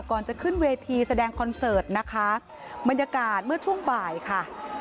ก่อนจะขึ้นเวทีแสดงคอนเสิร์ตนะคะบรรยากาศเมื่อช่วงบ่ายค่ะ